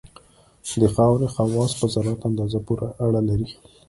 د خاورې خواص په ذراتو اندازه پورې اړه لري